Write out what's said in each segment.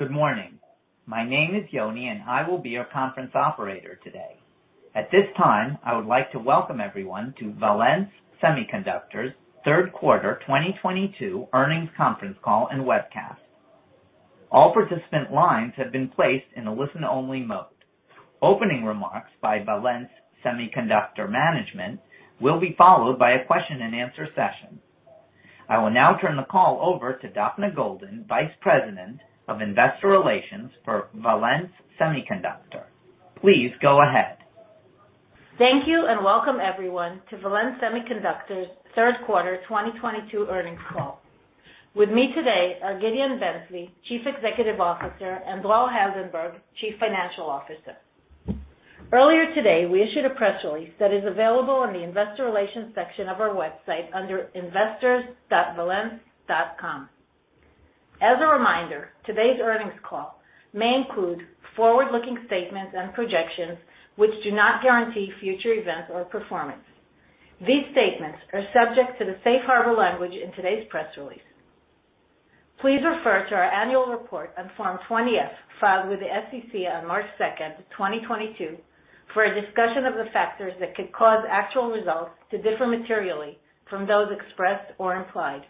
Good morning. My name is Yoni, and I will be your conference operator today. At this time, I would like to welcome everyone to Valens Semiconductor's third quarter 2022 earnings conference call and webcast. All participant lines have been placed in a listen-only mode. Opening remarks by Valens Semiconductor management will be followed by a question-and-answer session. I will now turn the call over to Daphna Golden, Vice President of Investor Relations for Valens Semiconductor. Please go ahead. Thank you and welcome everyone to Valens Semiconductor's third quarter 2022 earnings call. With me today are Gideon Ben-Zvi, Chief Executive Officer, and Dror Heldenberg, Chief Financial Officer. Earlier today, we issued a press release that is available on the investor relations section of our website under investors.valens.com. As a reminder, today's earnings call may include forward-looking statements and projections which do not guarantee future events or performance. These statements are subject to the safe harbor language in today's press release. Please refer to our annual report on Form 20-F filed with the SEC on March 2nd, 2022 for a discussion of the factors that could cause actual results to differ materially from those expressed or implied.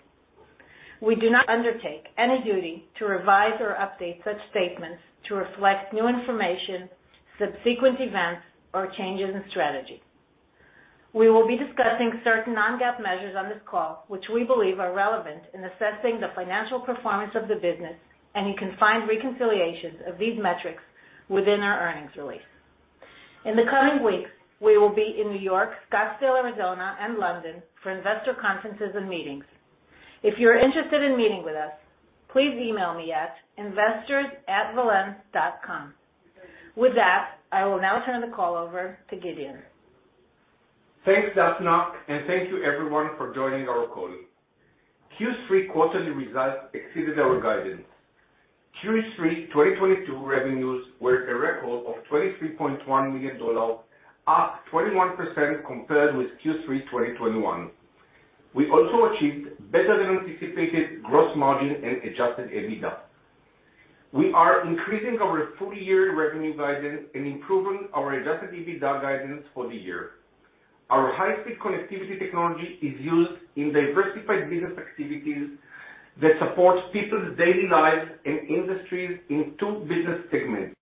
We do not undertake any duty to revise or update such statements to reflect new information, subsequent events, or changes in strategy. We will be discussing certain non-GAAP measures on this call, which we believe are relevant in assessing the financial performance of the business, and you can find reconciliations of these metrics within our earnings release. In the coming weeks, we will be in New York, Scottsdale, Arizona, and London for investor conferences and meetings. If you are interested in meeting with us, please email me at investors@valens.com. With that, I will now turn the call over to Gideon. Thanks, Daphna, and thank you everyone for joining our call. Q3 quarterly results exceeded our guidance. Q3 2022 revenues were a record of $23.1 million, up 21% compared with Q3 2021. We also achieved better than anticipated gross margin and Adjusted EBITDA. We are increasing our full year revenue guidance and improving our Adjusted EBITDA guidance for the year. Our high-speed connectivity technology is used in diversified business activities that support people's daily lives and industries in two business segments.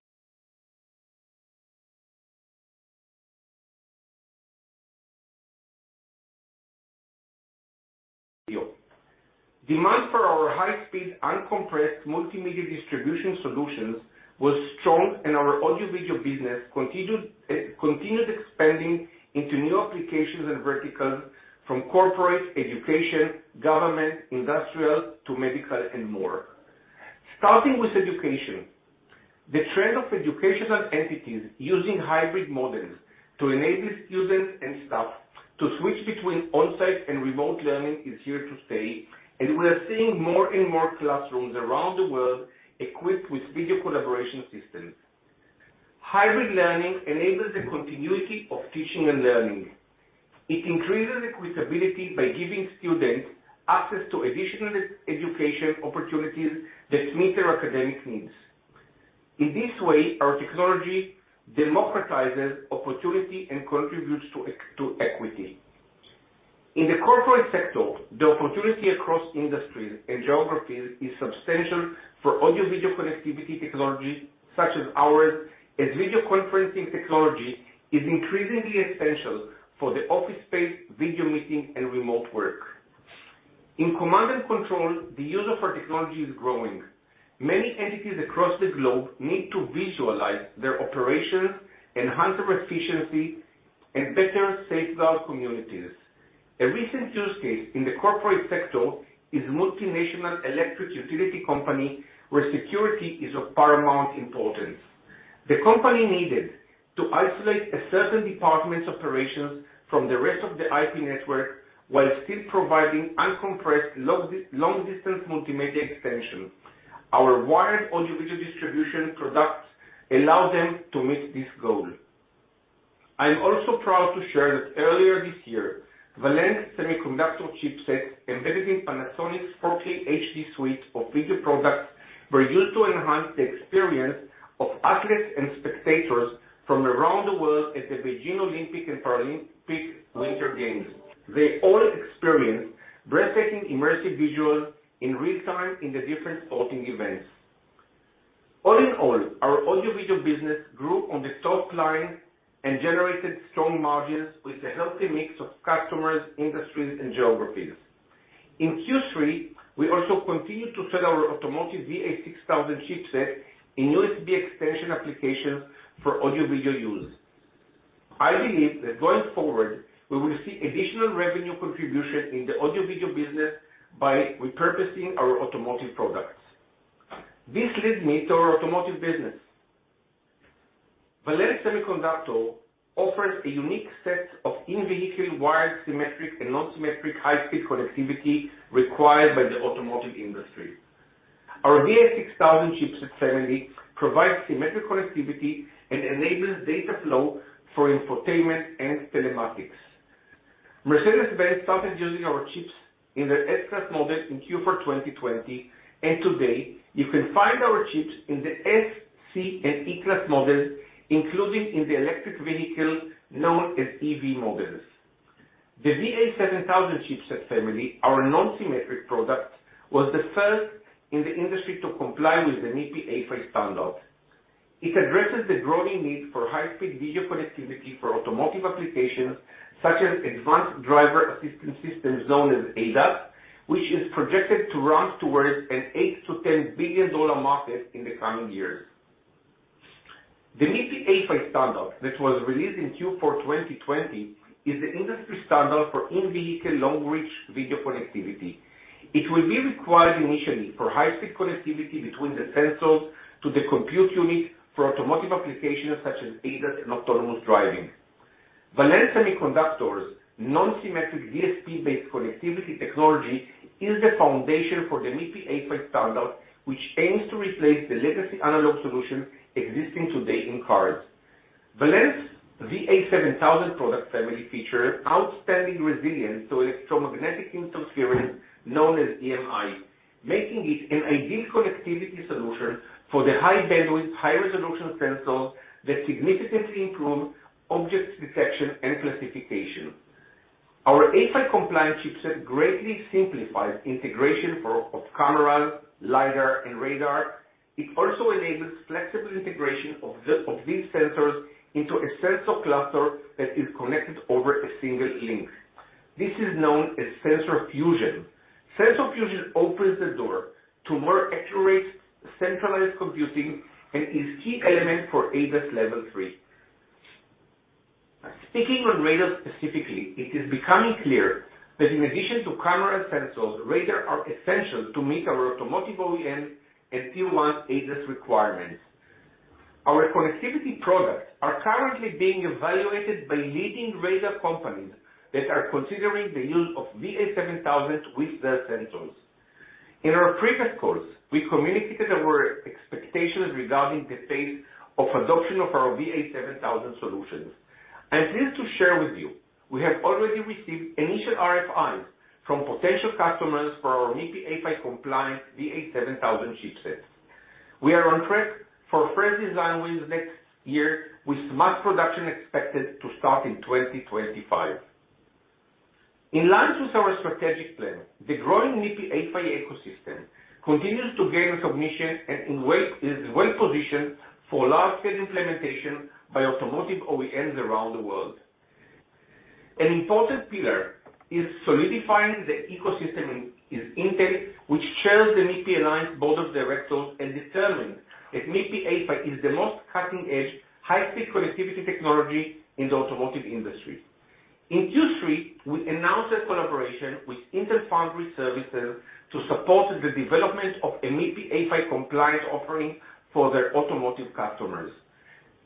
Demand for our high-speed uncompressed multimedia distribution solutions was strong and our audio/video business continued expanding into new applications and verticals from corporate, education, government, industrial to medical and more. Starting with education. The trend of educational entities using hybrid models to enable students and staff to switch between on-site and remote learning is here to stay, and we are seeing more and more classrooms around the world equipped with video collaboration systems. Hybrid learning enables the continuity of teaching and learning. It increases equitability by giving students access to additional education opportunities that meet their academic needs. In this way, our technology democratizes opportunity and contributes to equity. In the corporate sector, the opportunity across industries and geographies is substantial for audio/video connectivity technology such as ours, as video conferencing technology is increasingly essential for the office space, video meeting, and remote work. In command and control, the use of our technology is growing. Many entities across the globe need to visualize their operations, enhance their efficiency, and better safeguard communities. A recent use case in the corporate sector is a multinational electric utility company where security is of paramount importance. The company needed to isolate a certain department's operations from the rest of the IP network while still providing uncompressed long distance multimedia extension. Our wired audio/video distribution products allow them to meet this goal. I am also proud to share that earlier this year, Valens Semiconductor chipsets embedded in Panasonic's 4K HD suite of video products were used to enhance the experience of athletes and spectators from around the world at the Beijing Olympic and Paralympic Winter Games. They all experienced breathtaking immersive visuals in real-time in the different sporting events. All in all, our audio/video business grew on the top line and generated strong margins with a healthy mix of customers, industries and geographies. In Q3, we also continued to sell our automotive VA6000 chipset in USB extension applications for audio/video use. I believe that going forward, we will see additional revenue contribution in the audio/video business by repurposing our automotive products. This leads me to our automotive business. Valens Semiconductor offers a unique set of in-vehicle wired symmetric and non-symmetric high-speed connectivity required by the automotive industry. Our VA6000 chipset family provides symmetric connectivity and enables data flow for infotainment and telematics. Mercedes-Benz started using our chips in their S-Class model in Q4 2020, and today you can find our chips in the S-Class, C-Class, and E-Class models, including in the electric vehicle known as EV models. The VA7000 chipset family, our non-symmetric product, was the first in the industry to comply with the MIPI A-PHY standard. It addresses the growing need for high-speed video connectivity for automotive applications such as advanced driver assistance systems known as ADAS, which is projected to run towards an $8 billion-$10 billion market in the coming years. The MIPI A-PHY standard that was released in Q4 2020 is the industry standard for in-vehicle long-range video connectivity. It will be required initially for high-speed connectivity between the sensors to the compute unit for automotive applications such as ADAS and autonomous driving. Valens Semiconductor's non-symmetric DSP-based connectivity technology is the foundation for the MIPI A-PHY standard, which aims to replace the legacy analog solution existing today in cars. Valens' VA7000 product family features outstanding resilience to electromagnetic interference known as EMI, making it an ideal connectivity solution for the high bandwidth, high-resolution sensors that significantly improve object detection and classification. Our A-PHY compliance chipset greatly simplifies integration of camera, lidar, and radar. It also enables flexible integration of these sensors into a sensor cluster that is connected over a single link. This is known as sensor fusion. Sensor fusion opens the door to more accurate centralized computing and is key element for ADAS level three. Speaking on radar specifically, it is becoming clear that in addition to camera and sensors, radar are essential to meet our automotive OEM and tier one ADAS requirements. Our connectivity products are currently being evaluated by leading radar companies that are considering the use of VA7000 with their sensors. In our previous calls, we communicated our expectations regarding the pace of adoption of our VA7000 solutions. I'm pleased to share with you. We have already received initial RFIs from potential customers for our MIPI A-PHY compliant VA7000 chipsets. We are on track for first design wins next year, with mass production expected to start in 2025. In line with our strategic plan, the growing MIPI A-PHY ecosystem continues to gain recognition and is well-positioned for large-scale implementation by automotive OEMs around the world. An important pillar is solidifying the ecosystem in Intel, which chairs the MIPI Alliance board of directors and determined that MIPI A-PHY is the most cutting-edge, high-speed connectivity technology in the automotive industry. In Q3, we announced a collaboration with Intel Foundry Services to support the development of a MIPI A-PHY compliant offering for their automotive customers.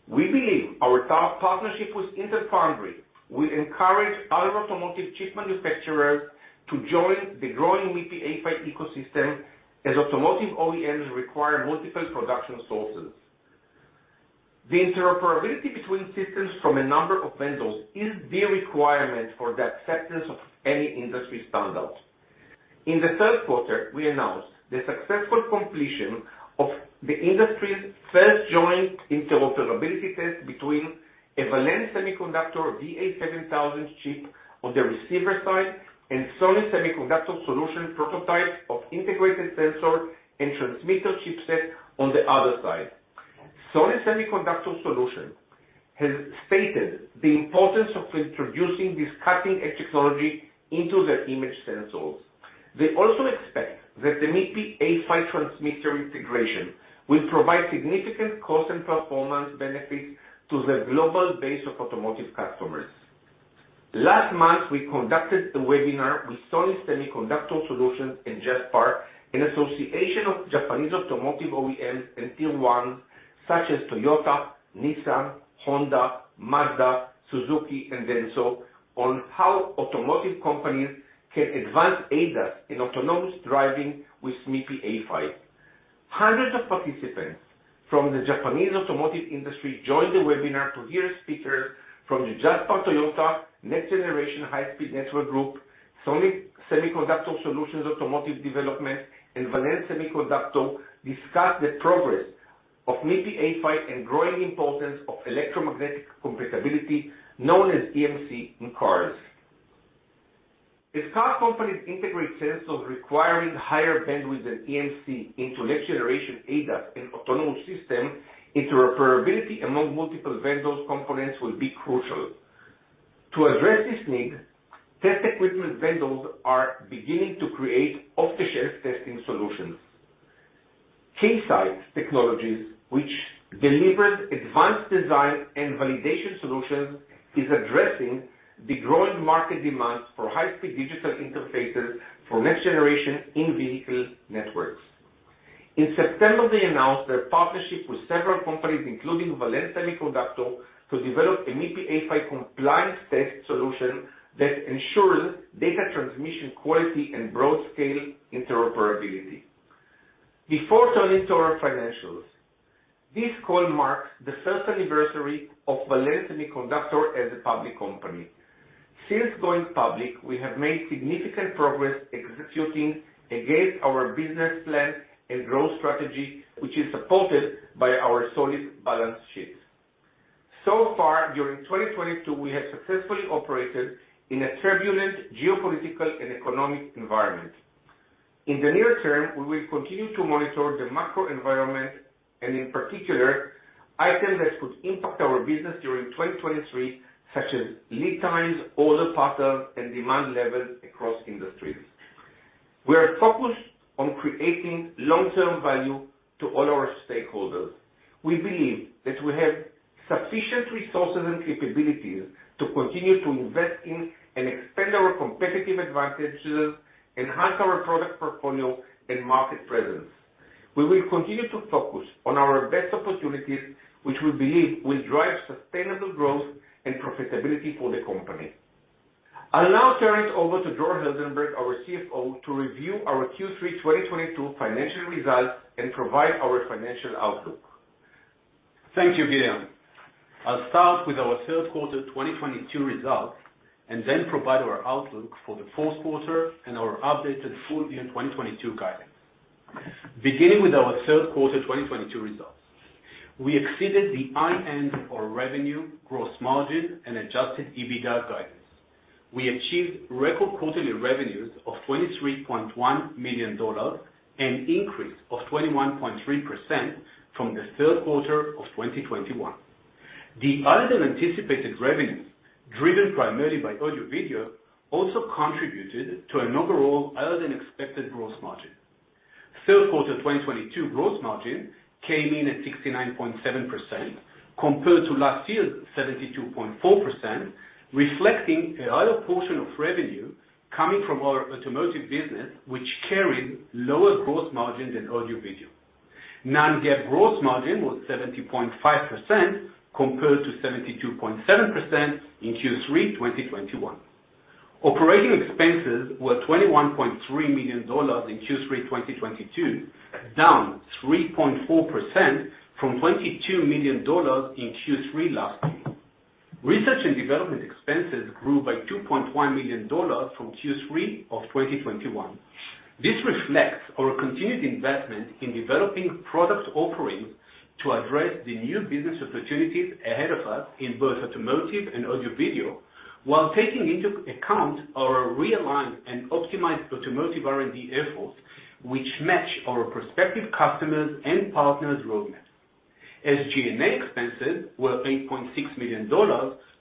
We believe our partnership with Intel Foundry will encourage other automotive chip manufacturers to join the growing MIPI A-PHY ecosystem as automotive OEMs require multiple production sources. The interoperability between systems from a number of vendors is the requirement for the acceptance of any industry standard. In the third quarter, we announced the successful completion of the industry's first joint interoperability test between a Valens Semiconductor VA7000 chip on the receiver side and Sony Semiconductor Solutions prototype of integrated sensor and transmitter chipset on the other side. Sony Semiconductor Solutions has stated the importance of introducing this cutting-edge technology into their image sensors. They also expect that the MIPI A-PHY transmitter integration will provide significant cost and performance benefits to their global base of automotive customers. Last month, we conducted a webinar with Sony Semiconductor Solutions and JASPAR in association of Japanese automotive OEMs and Tier 1s such as Toyota, Nissan, Honda, Mazda, Suzuki, and Denso, on how automotive companies can advance ADAS in autonomous driving with MIPI A-PHY. Hundreds of participants from the Japanese automotive industry joined the webinar to hear speakers from the JASPAR, Toyota, Next Generation High-speed Network Group, Sony Semiconductor Solutions Automotive Development, and Valens Semiconductor discuss the progress of MIPI A-PHY and growing importance of electromagnetic compatibility, known as EMC, in cars. As car companies integrate sensors requiring higher bandwidth and EMC into next generation ADAS and autonomous system interoperability among multiple vendors' components will be crucial. To address this need, test equipment vendors are beginning to create off-the-shelf testing solutions. Keysight Technologies, which delivers advanced design and validation solutions, is addressing the growing market demands for high-speed digital interfaces for next generation in-vehicle networks. In September, they announced their partnership with several companies, including Valens Semiconductor, to develop a MIPI A-PHY compliance test solution that ensures data transmission quality and broad-scale interoperability. Before turning to our financials, this call marks the first anniversary of Valens Semiconductor as a public company. Since going public, we have made significant progress executing against our business plan and growth strategy, which is supported by our solid balance sheet. Far during 2022, we have successfully operated in a turbulent geopolitical and economic environment. In the near term, we will continue to monitor the macro environment and in particular items that could impact our business during 2023, such as lead times, order patterns, and demand levels across industries. We are focused on creating long-term value to all our stakeholders. We believe that we have sufficient resources and capabilities to continue to invest in and expand our competitive advantages, enhance our product portfolio and market presence. We will continue to focus on our best opportunities, which we believe will drive sustainable growth and profitability for the company. I'll now turn it over to Dror Heldenberg, our CFO, to review our Q3 2022 financial results and provide our financial outlook. Thank you, Gideon. I'll start with our third quarter 2022 results and then provide our outlook for the fourth quarter and our updated full year 2022 guidance. Beginning with our third quarter 2022 results. We exceeded the high end of our revenue, gross margin, and Adjusted EBITDA guidance. We achieved record quarterly revenues of $23.1 million, an increase of 21.3% from the third quarter of 2021. The higher than anticipated revenues, driven primarily by audio video, also contributed to an overall higher than expected gross margin. Third quarter 2022 gross margin came in at 69.7% compared to last year's 72.4%, reflecting a higher portion of revenue coming from our automotive business, which carries lower gross margin than audio video. Non-GAAP gross margin was 70.5% compared to 72.7% in Q3 2021. Operating expenses were $21.3 million in Q3 2022, down 3.4% from $22 million in Q3 last year. Research and development expenses grew by $2.1 million from Q3 of 2021. This reflects our continued investment in developing product offerings to address the new business opportunities ahead of us in both automotive and audio/video, while taking into account our realigned and optimized automotive R&D efforts, which match our prospective customers and partners roadmap. SG&A expenses were $8.6 million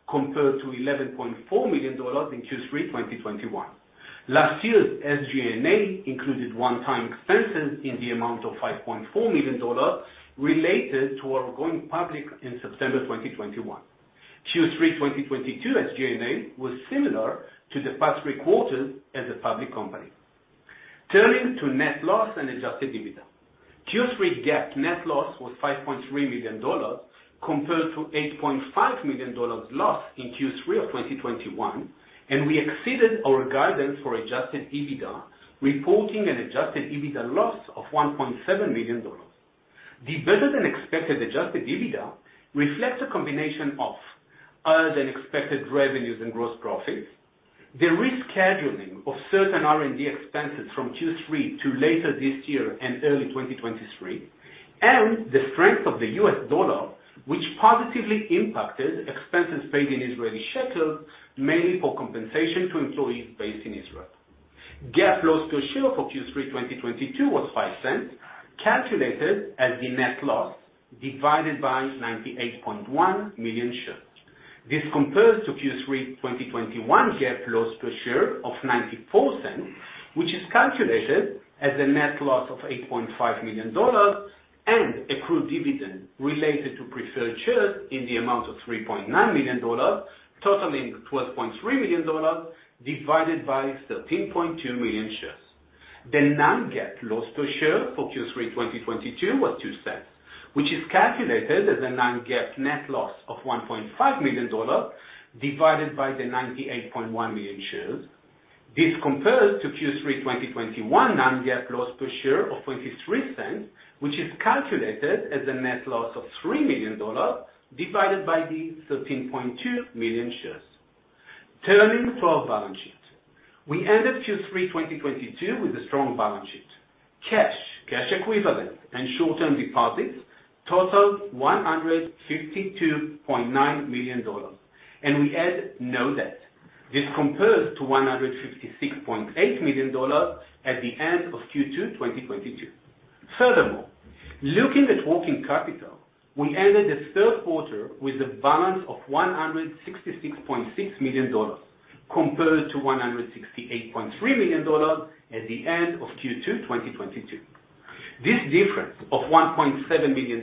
compared to $11.4 million in Q3 2021. Last year's SG&A included one-time expenses in the amount of $5.4 million related to our going public in September 2021. Q3 2022 SG&A was similar to the past three quarters as a public company. Turning to net loss and adjusted EBITDA. Q3 GAAP net loss was $5.3 million compared to $8.5 million loss in Q3 of 2021. We exceeded our guidance for adjusted EBITDA, reporting an adjusted EBITDA loss of $1.7 million. The better than expected adjusted EBITDA reflects a combination of higher than expected revenues and gross profits, the rescheduling of certain R&D expenses from Q3 to later this year and early 2023, and the strength of the US dollar, which positively impacted expenses paid in Israeli shekels, mainly for compensation to employees based in Israel. GAAP loss per share for Q3 2022 was $0.05, calculated as the net loss divided by 98.1 million shares. This compares to Q3 2021 GAAP loss per share of $0.94, which is calculated as a net loss of $8.5 million and accrued dividend related to preferred shares in the amount of $3.9 million, totaling $12.3 million divided by 13.2 million shares. The non-GAAP loss per share for Q3 2022 was $0.02, which is calculated as a non-GAAP net loss of $1.5 million divided by the 98.1 million shares. This compares to Q3 2021 non-GAAP loss per share of $0.23, which is calculated as a net loss of $3 million divided by the 13.2 million shares. Turning to our balance sheet. We ended Q3 2022 with a strong balance sheet. Cash, cash equivalents, and short-term deposits totaled $152.9 million, and we had no debt. This compares to $156.8 million at the end of Q2 2022. Furthermore, looking at working capital, we ended the third quarter with a balance of $166.6 million compared to $168.3 million at the end of Q2 2022. This difference of $1.7 million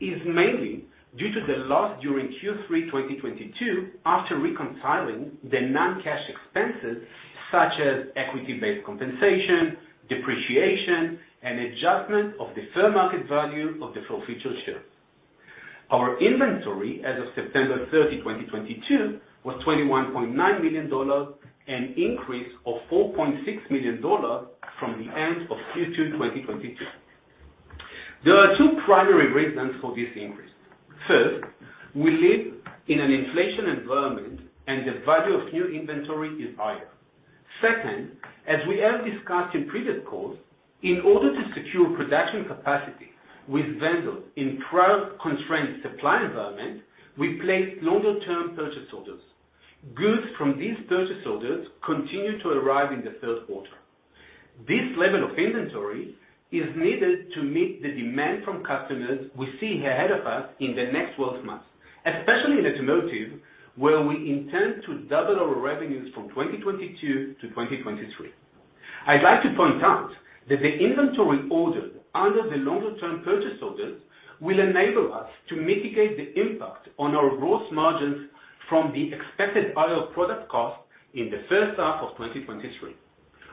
is mainly due to the loss during Q3 2022 after reconciling the non-cash expenses such as equity-based compensation, depreciation, and adjustment of the fair market value of the full future shares. Our inventory as of September 30, 2022 was $21.9 million, an increase of $4.6 million from the end of Q2 2022. There are two primary reasons for this increase. First, we live in an inflation environment and the value of new inventory is higher. Second, as we have discussed in previous calls, in order to secure production capacity with vendors in current constrained supply environment, we placed longer-term purchase orders. Goods from these purchase orders continue to arrive in the third quarter. This level of inventory is needed to meet the demand from customers we see ahead of us in the next 12 months, especially in automotive, where we intend to double our revenues from 2022 to 2023. I'd like to point out that the inventory ordered under the longer-term purchase orders will enable us to mitigate the impact on our gross margins from the expected higher product costs in the first half of 2023.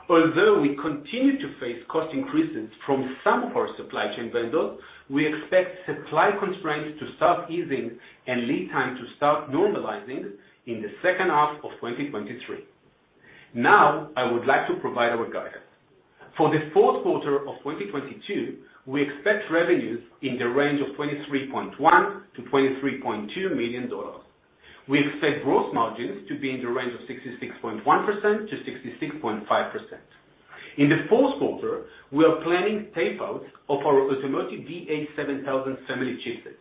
Although we continue to face cost increases from some of our supply chain vendors, we expect supply constraints to start easing and lead time to start normalizing in the second half of 2023. Now, I would like to provide our guidance. For the fourth quarter of 2022, we expect revenues in the range of $23.1 million-$23.2 million. We expect gross margins to be in the range of 66.1%-66.5%. In the fourth quarter, we are planning tape-out of our automotive VA7000 family chipsets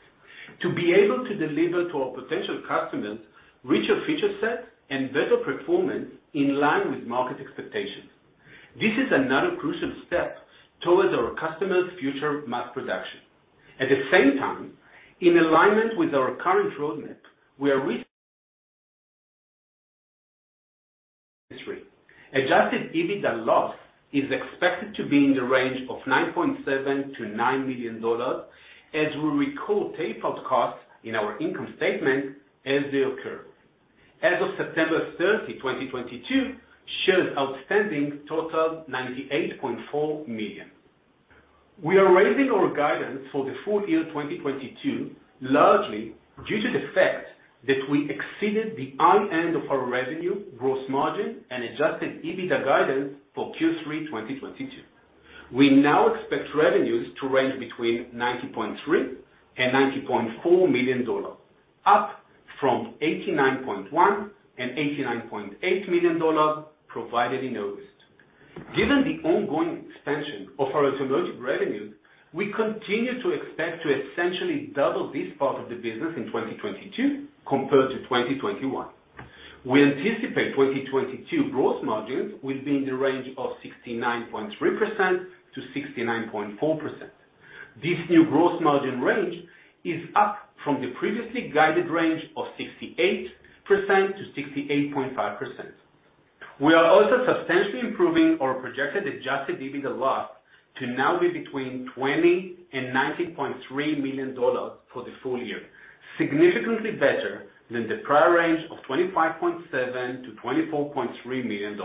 to be able to deliver to our potential customers richer feature set and better performance in line with market expectations. This is another crucial step towards our customers' future mass production. At the same time, in alignment with our current roadmap, we are reaching. Adjusted EBITDA loss is expected to be in the range of $9.7 million-$9 million, as we record tape-out costs in our income statement as they occur. As of September 30, 2022, shares outstanding totaled 98.4 million. We are raising our guidance for the full year 2022, largely due to the fact that we exceeded the high end of our revenue, gross margin, and adjusted EBITDA guidance for Q3 2022. We now expect revenues to range between $90.3 million-$90.4 million, up from $89.1 million-$89.8 million provided in August. Given the ongoing expansion of our automotive revenues, we continue to expect to essentially double this part of the business in 2022 compared to 2021. We anticipate 2022 growth margins within the range of 69.3%-69.4%. This new growth margin range is up from the previously guided range of 68%-68.5%. We are also substantially improving our projected adjusted EBITDA loss to now be between $20 million and $19.3 million for the full year. Significantly better than the prior range of $25.7 million to $24.3 million.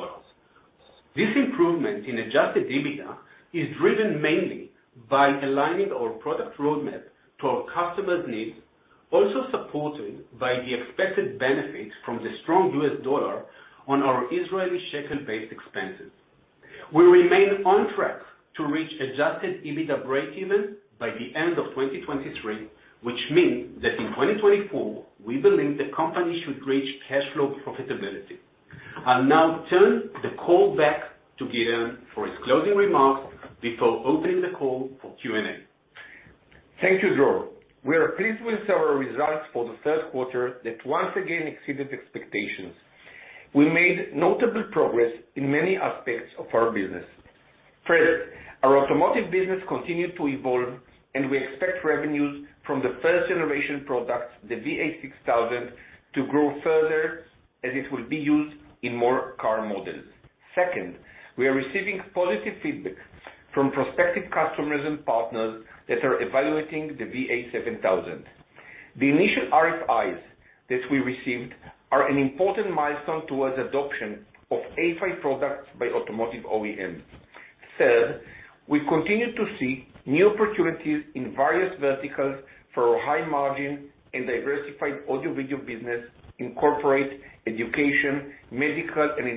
This improvement in adjusted EBITDA is driven mainly by aligning our product roadmap to our customers' needs, also supported by the expected benefits from the strong US dollar on our Israeli shekel-based expenses. We remain on track to reach adjusted EBITDA breakeven by the end of 2023, which means that in 2024, we believe the company should reach cash flow profitability. I'll now turn the call back to Gideon for his closing remarks before opening the call for Q&A. Thank you, Dror. We are pleased with our results for the third quarter that once again exceeded expectations. We made notable progress in many aspects of our business. First, our automotive business continued to evolve, and we expect revenues from the first-generation product, the VA6000, to grow further as it will be used in more car models. Second, we are receiving positive feedback from prospective customers and partners that are evaluating the VA7000. The initial RFIs that we received are an important milestone towards adoption of A-PHY products by automotive OEMs. Third, we continue to see new opportunities in various verticals for our high margin and diversified audio video business in corporate, education, medical, and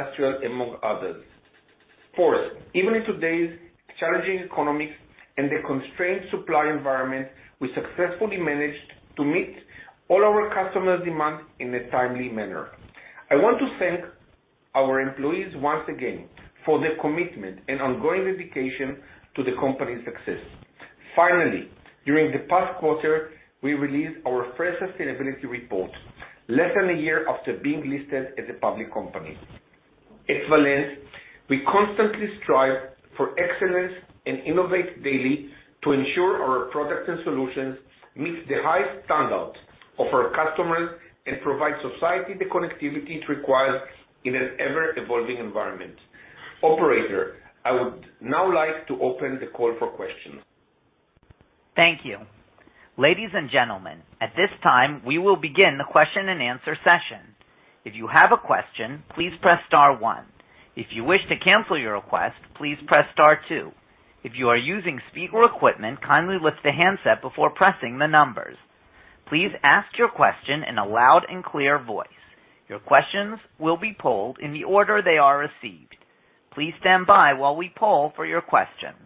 industrial, among others. Fourth, even in today's challenging economics and the constrained supply environment, we successfully managed to meet all our customers' demands in a timely manner. I want to thank our employees once again for their commitment and ongoing dedication to the company's success. Finally, during the past quarter, we released our first sustainability report less than a year after being listed as a public company. At Valens, we constantly strive for excellence and innovate daily to ensure our products and solutions meet the high standards of our customers and provide society the connectivity it requires in an ever-evolving environment. Operator, I would now like to open the call for questions. Thank you. Ladies and gentlemen, at this time, we will begin the question and answer session. If you have a question, please press star one. If you wish to cancel your request, please press star two. If you are using speaker or equipment, kindly lift the handset before pressing the numbers. Please ask your question in a loud and clear voice. Your questions will be polled in the order they are received. Please stand by while we poll for your questions.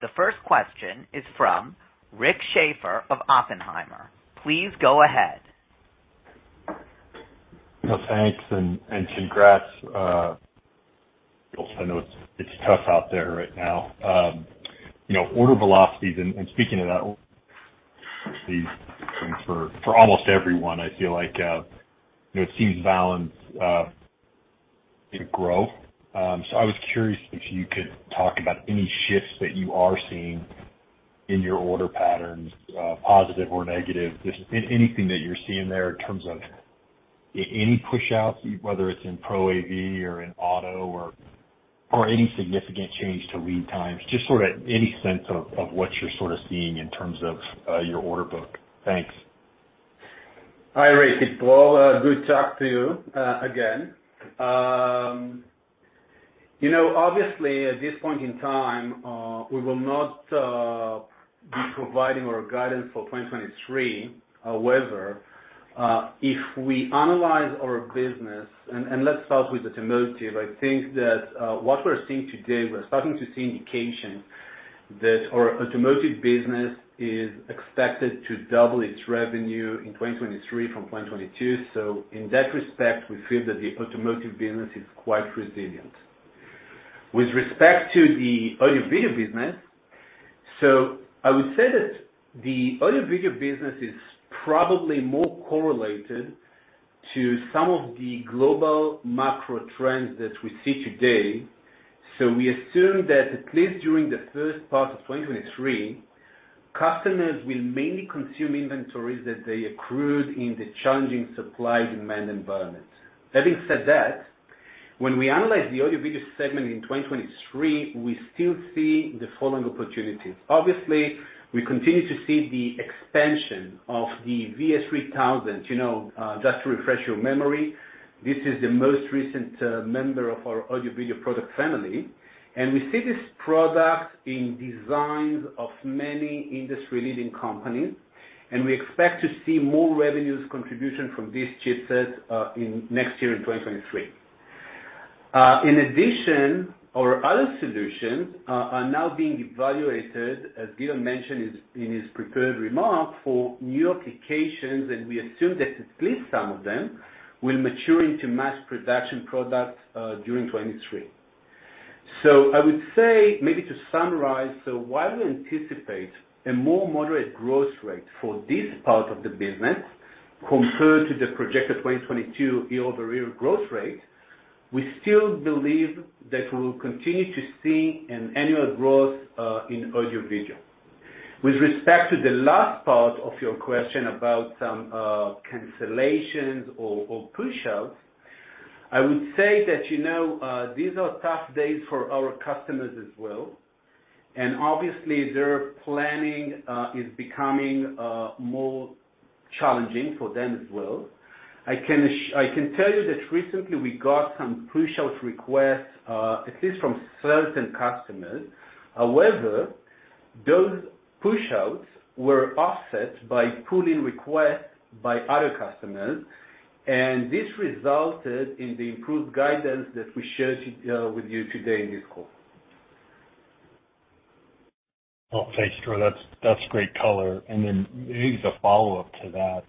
The first question is from Rick Schafer of Oppenheimer. Please go ahead. Well, thanks and congrats, I know it's tough out there right now. You know, order velocities and speaking of that these things for almost everyone, I feel like, you know, it seems balanced in growth. I was curious if you could talk about any shifts that you are seeing in your order patterns, positive or negative, just anything that you're seeing there in terms of any push outs, whether it's in pro-AV or in auto or any significant change to lead times, just sort of any sense of what you're sort of seeing in terms of your order book. Thanks. Hi, Rick. It's Dror. Good to talk to you, again. You know, obviously at this point in time, we will not be providing our guidance for 2023. However, if we analyze our business and let's start with automotive, I think that what we're seeing today, we're starting to see indications that our automotive business is expected to double its revenue in 2023 from 2022. So in that respect, we feel that the automotive business is quite resilient. With respect to the audio video business, so I would say that the audio video business is probably more correlated to some of the global macro trends that we see today. We assume that at least during the first part of 2023, customers will mainly consume inventories that they accrued in the challenging supply demand environment. Having said that, when we analyze the audio video segment in 2023, we still see the following opportunities. Obviously, we continue to see the expansion of the VS3000. You know, just to refresh your memory, this is the most recent member of our audio video product family, and we see this product in designs of many industry leading companies, and we expect to see more revenues contribution from this chipset in next year in 2023. In addition, our other solutions are now being evaluated, as Gideon mentioned in his prepared remarks, for new applications, and we assume that at least some of them will mature into mass production products during 2023. I would say maybe to summarize, so while we anticipate a more moderate growth rate for this part of the business compared to the projected 2022 year-over-year growth rate, we still believe that we'll continue to see an annual growth in audio-video. With respect to the last part of your question about some cancellations or push outs, I would say that, you know, these are tough days for our customers as well, and obviously their planning is becoming more challenging for them as well. I can tell you that recently we got some push out requests at least from certain customers. However, those push outs were offset by pull in requests by other customers, and this resulted in the improved guidance that we shared with you today in this call. Well, thanks, Dror. That's great color. Then maybe as a follow-up to that,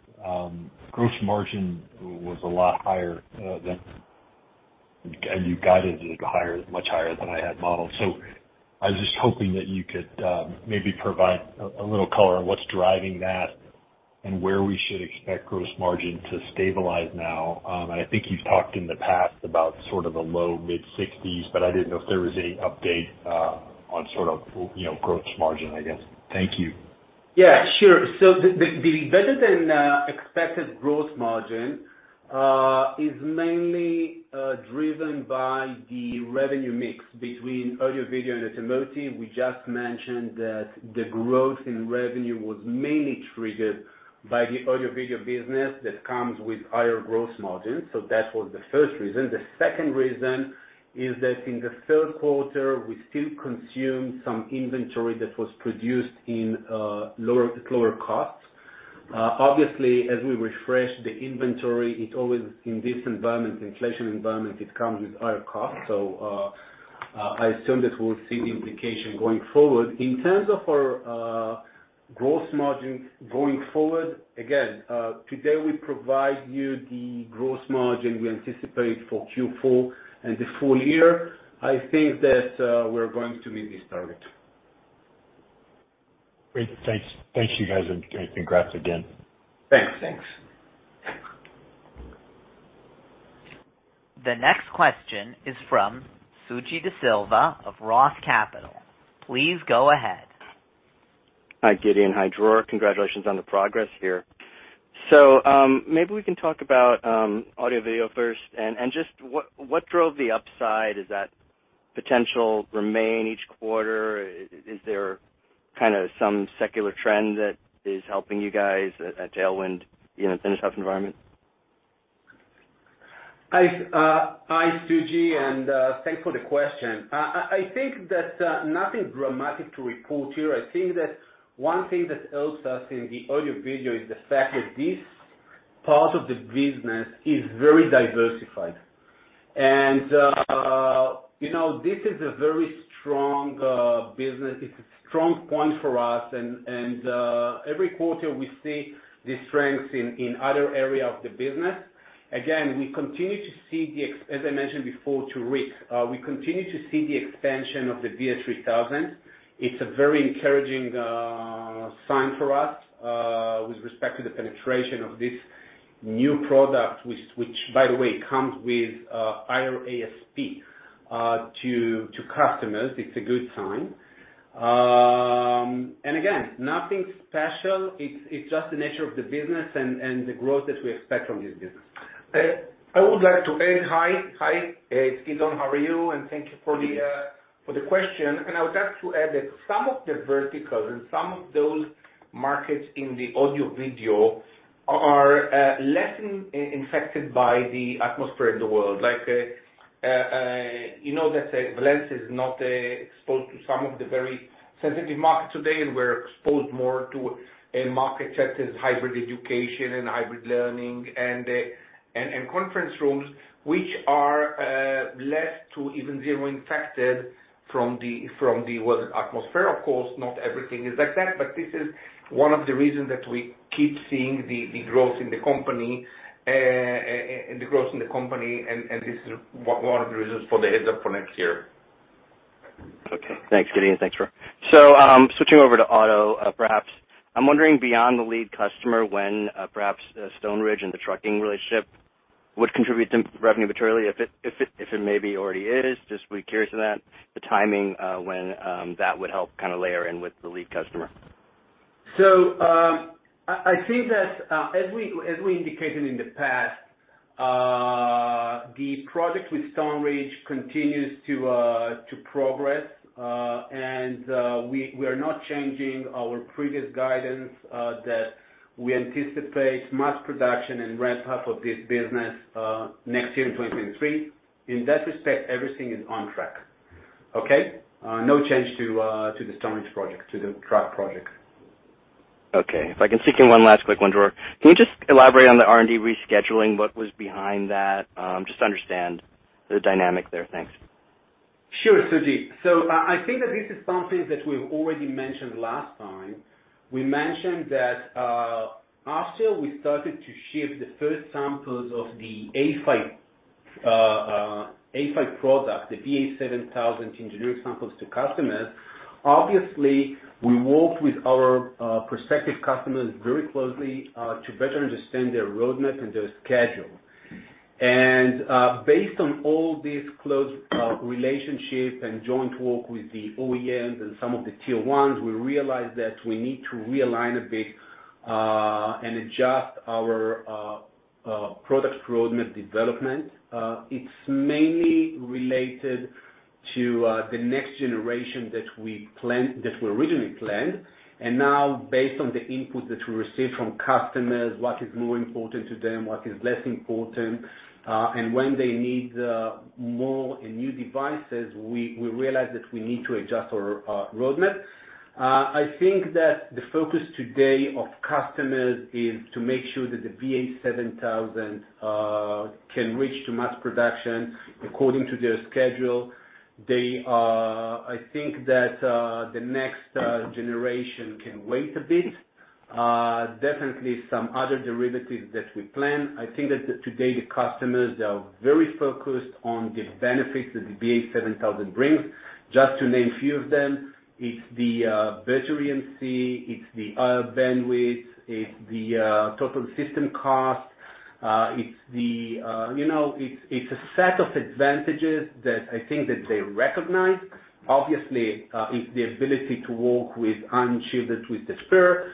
gross margin was a lot higher. You guided it higher, much higher than I had modeled. I was just hoping that you could maybe provide a little color on what's driving that and where we should expect gross margin to stabilize now. I think you've talked in the past about sort of the low mid-sixties, but I didn't know if there was any update on sort of, you know, gross margin, I guess. Thank you. Yeah, sure. The better than expected gross margin is mainly driven by the revenue mix between audio-video and automotive. We just mentioned that the growth in revenue was mainly triggered by the audio-video business that comes with higher gross margins. That was the first reason. The second reason is that in the third quarter, we still consume some inventory that was produced in lower costs. Obviously, as we refresh the inventory, it always, in this inflation environment, comes with higher costs. I assume that we'll see the implication going forward. In terms of our gross margin going forward, again, today we provide you the gross margin we anticipate for Q4 and the full year. I think that we're going to meet this target. Great. Thanks. Thank you, guys, and congrats again. Thanks. Thanks. The next question is from Suji Desilva of Roth Capital. Please go ahead. Hi, Gideon. Hi, Dror. Congratulations on the progress here. Maybe we can talk about audio/video first and just what drove the upside? Does that potential remain each quarter? Is there kinda some secular trend that is helping you guys, a tailwind in a tough environment? Hi, Suji, and thanks for the question. I think that nothing dramatic to report here. I think that one thing that helps us in the audio/video is the fact that this part of the business is very diversified. You know, this is a very strong business. It's a strong point for us and every quarter we see the strength in other area of the business. Again, as I mentioned before to Rick, we continue to see the expansion of the VS3000. It's a very encouraging sign for us with respect to the penetration of this new product which by the way comes with higher ASP to customers. It's a good sign. Again, nothing special. It's just the nature of the business and the growth that we expect from this business. I would like to add. Hi, it's Gideon. How are you? Thank you for the question. I would like to add that some of the verticals and some of those markets in the audio/video are less affected by the atmosphere in the world. Like, you know that Valens is not exposed to some of the very sensitive markets today, and we're exposed more to a market such as hybrid education and hybrid learning and conference rooms, which are less to even zero affected from the world atmosphere. Of course, not everything is like that, but this is one of the reasons that we keep seeing the growth in the company, and this is one of the reasons for the heads up for next year. Okay. Thanks, Gideon. Thanks, Dror. Switching over to auto, perhaps. I'm wondering beyond the lead customer when, perhaps, Stoneridge and the trucking relationship would contribute to revenue materially, if it maybe already is. Just really curious to that, the timing, when that would help kinda layer in with the lead customer. I think that, as we indicated in the past, the product with Stoneridge continues to progress. We are not changing our previous guidance that we anticipate mass production and ramp up of this business next year in 2023. In that respect, everything is on track. Okay. No change to the Stoneridge project, to the truck project. Okay. If I can sneak in one last quick one, Dror. Can you just elaborate on the R&D rescheduling? What was behind that? Just to understand the dynamic there. Thanks. Sure, Suji. I think that this is something that we've already mentioned last time. We mentioned that after we started to ship the first samples of the A-PHY product, the VA7000 engineering samples to customers, obviously, we worked with our prospective customers very closely to better understand their roadmap and their schedule. Based on all these close relationships and joint work with the OEMs and some of the Tier 1s, we realized that we need to realign a bit and adjust our product roadmap development. It's mainly related to the next generation that we originally planned. Now based on the input that we received from customers, what is more important to them, what is less important, and when they need more and new devices, we realize that we need to adjust our roadmap. I think that the focus today of customers is to make sure that the VA7000 can reach mass production according to their schedule. I think that the next generation can wait a bit. Definitely some other derivatives that we plan. I think that today the customers are very focused on the benefits that the VA7000 brings. Just to name a few of them, it's the virtual UNC, it's the bandwidth, it's the total system cost. It's the, you know, it's a set of advantages that I think that they recognize. Obviously, it's the ability to work with unshielded twisted pair.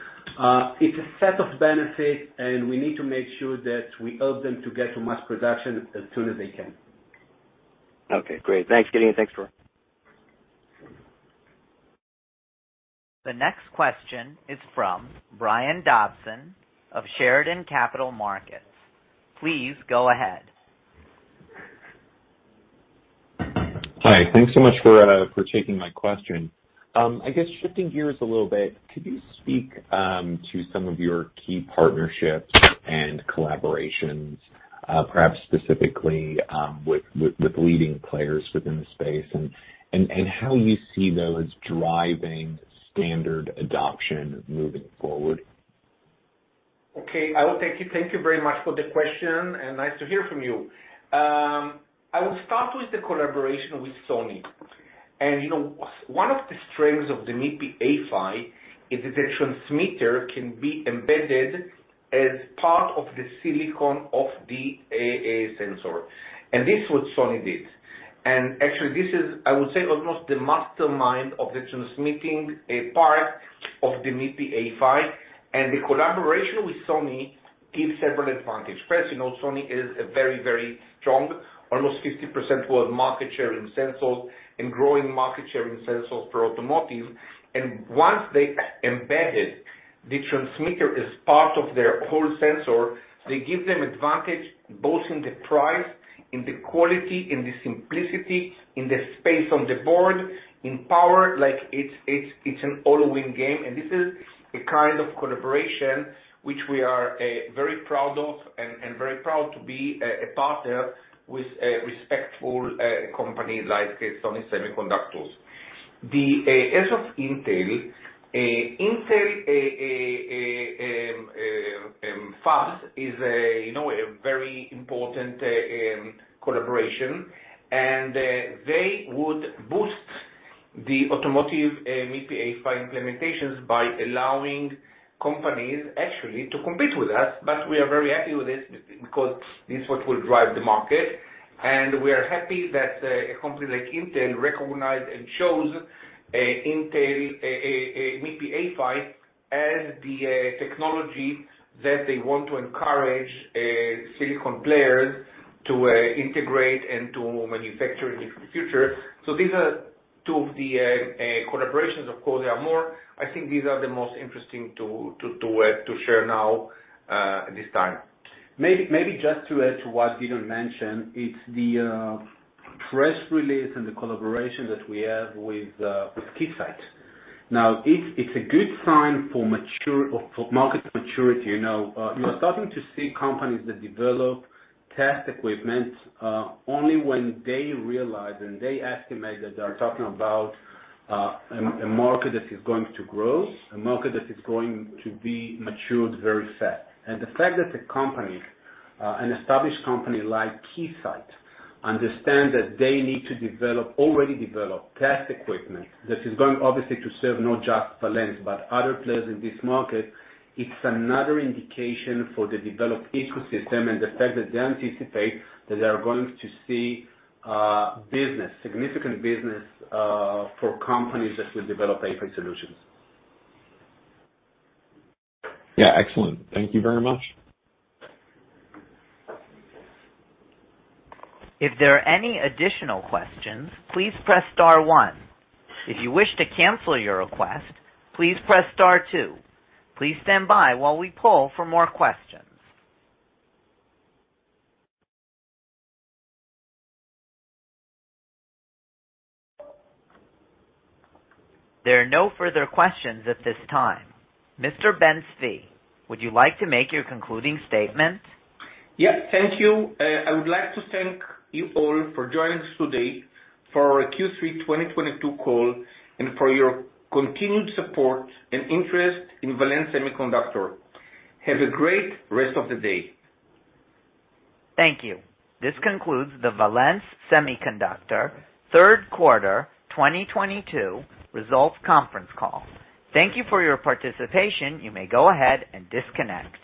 It's a set of benefits, and we need to make sure that we help them to get to mass production as soon as they can. Okay, great. Thanks, Gideon. Thanks, Dror. The next question is from Brian Dobson of Chardan Capital Markets. Please go ahead. Hi. Thanks so much for taking my question. I guess shifting gears a little bit, could you speak to some of your key partnerships and collaborations, perhaps specifically, with leading players within the space and how you see those driving standard adoption moving forward? Okay. I will take it. Thank you very much for the question, and nice to hear from you. I will start with the collaboration with Sony. You know, one of the strengths of the MIPI A-PHY is that the transmitter can be embedded as part of the silicon of the image sensor, and this is what Sony did. Actually this is, I would say, almost the mastermind of the transmitting a part of the MIPI A-PHY. The collaboration with Sony gives several advantage. First, you know Sony is a very, very strong, almost 50% world market share in sensors and growing market share in sensors for automotive. Once they embedded the transmitter as part of their whole sensor, they give them advantage both in the price, in the quality, in the simplicity, in the space on the board, in power. Like, it's an all-win game. This is a kind of collaboration which we are very proud of and very proud to be a partner with a respectable company like Sony Semiconductor Solutions. As for Intel's IFS is a very important collaboration. They would boost the automotive MIPI A-PHY implementations by allowing companies actually to compete with us. We are very happy with this because this is what will drive the market. We are happy that a company like Intel recognize and chose Intel MIPI A-PHY as the technology that they want to encourage silicon players to integrate and to manufacture in the future. These are two of the collaborations. Of course, there are more. I think these are the most interesting to share now at this time. Maybe just to add to what Gideon mentioned, it's the press release and the collaboration that we have with Keysight. Now, it's a good sign for market maturity. You know, you're starting to see companies that develop test equipment only when they realize and they estimate that they are talking about a market that is going to grow, a market that is going to be matured very fast. The fact that a company, an established company like Keysight understand that they need to already develop test equipment that is going obviously to serve not just Valens, but other players in this market. It's another indication for the developed ecosystem and the fact that they anticipate that they are going to see business, significant business for companies that will develop A-PHY solutions. Yeah. Excellent. Thank you very much. If there are any additional questions, please press star one. If you wish to cancel your request, please press star two. Please stand by while we poll for more questions. There are no further questions at this time. Mr. Ben-Zvi, would you like to make your concluding statement? Yes, thank you. I would like to thank you all for joining us today for our Q3 2022 call and for your continued support and interest in Valens Semiconductor. Have a great rest of the day. Thank you. This concludes the Valens Semiconductor third quarter 2022 results conference call. Thank you for your participation. You may go ahead and disconnect.